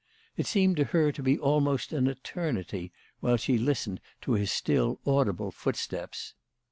It seemed to her to be almost an eternity while she listened to his still audible footsteps.